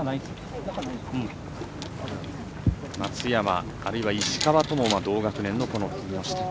松山、あるいは石川とも同学年の木下。